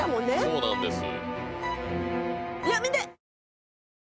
そうなんです。